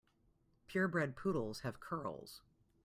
Pure bred poodles have curls.